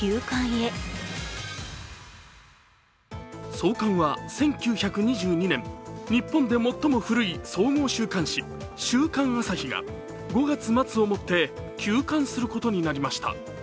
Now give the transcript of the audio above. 創刊は１９２２年、日本で最も古井総合週刊誌「週刊朝日」が５月末をもって休刊することになりました。